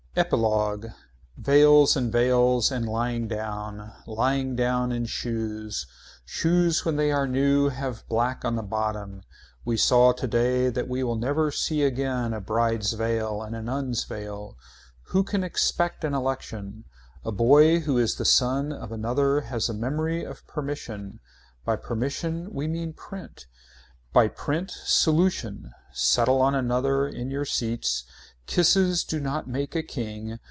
EPILOGUE Veils and veils and lying down. Lying down in shoes. Shoes when they are new have black on the bottom. We saw today what we will never see again a bride's veil and a nun's veil. Who can expect an election. A boy who is the son of another has a memory of permission. By permission we mean print. By print. Solution. Settle on another in your seats. Kisses do not make a king.